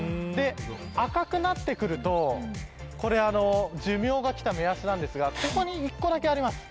赤くなってくるとこれは寿命がきた目安なんですがここに１個だけあります。